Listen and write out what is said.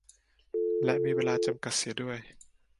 และมีเวลาจำกัดเสียด้วย